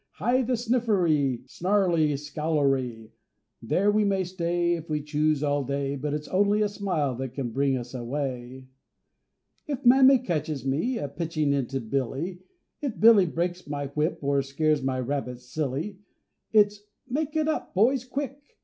Ha! the Sniffery, Snarlery, Scowlery! There we may stay, If we choose, all day; But it's only a smile that can bring us away. If Mammy catches me A pitching into Billy; If Billy breaks my whip, Or scares my rabbit silly, It's "Make it up, boys, quick!